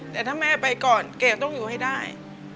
แต่ถ้าแม่ไปก่อนเกลต้องอยู่ให้ได้